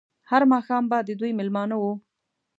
هر ماښام به د دوی مېلمانه وو.